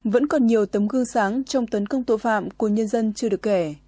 vẫn còn nhiều tấm gương sáng trong tấn công tội phạm của nhân dân chưa được kẻ